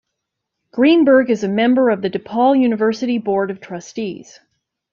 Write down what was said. Greenberg is a member of the DePaul University Board of Trustees.